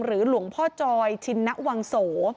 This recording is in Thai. หรือหลวงพ่อจอยชินนะวังโส